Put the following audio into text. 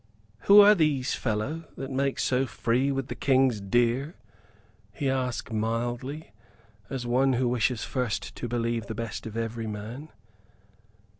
"Who are these, fellow, that make so free with the King's deer?" he asked, mildly, as one who wishes first to believe the best of every man.